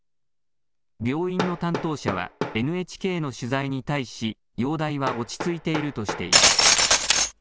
病院の担当者はＮＨＫの取材に対し、容体は落ち着いているとしています。